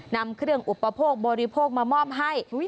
นำเครื่องอุปโภคบริโภคมามอบให้